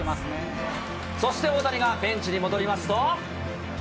そして大谷がベンチに戻りますと。